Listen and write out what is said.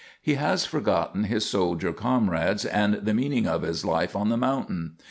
He has forgotten his soldier comrades and the meaning of his life on the mountain.